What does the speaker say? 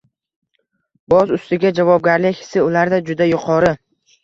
boz ustiga javobgarlik hissi ularda juda yuqori